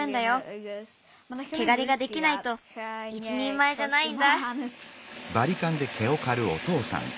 けがりができないといちにんまえじゃないんだ。